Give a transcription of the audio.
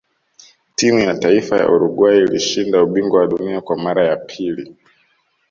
timu ya taifa ya uruguay ilishinda ubingwa wa dunia Kwa mara ya pili